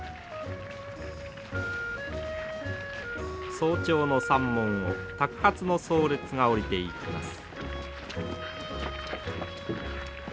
早朝の山門をたく鉢の僧列が下りていきます。